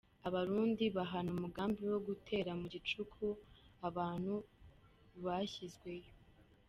Abarundi bahana umugambi wo gutera mu gicuku abantu bashyizweyo.